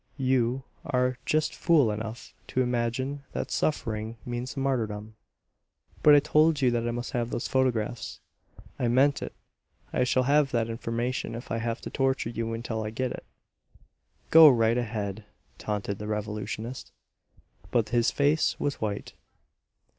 You are just fool enough to imagine that suffering means martyrdom. "But I told you that I must have those photographs. I meant it. I shall have that information if I have to torture you until I get it!" "Go right ahead!" taunted the revolutionist; but his face was white.